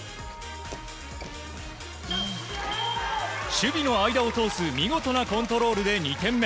守備の間を通す見事なコントロールで２点目。